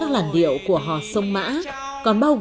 làn điệu của hò sông mã còn bao gồm